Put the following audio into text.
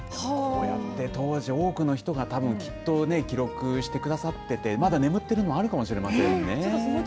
こうやって多くの人たちが記録してくださってまだ眠ってるのもあるかもしれませんね。